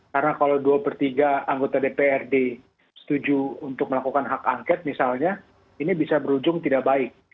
karena kalau dua per tiga anggota dprd setuju untuk melakukan hak angket misalnya ini bisa berujung tidak baik